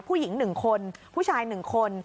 ผู้หญิง๑คนผู้ชาย๑คน